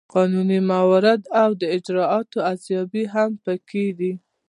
قانوني موارد او د اجرااتو ارزیابي هم پکې دي.